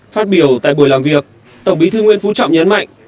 phát biểu tại buổi làm việc tổng bí thư nguyễn phú trọng nhấn mạnh